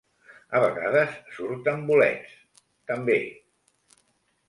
A vegades surten bolets, també.